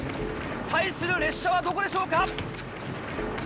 対する列車はどこでしょうか？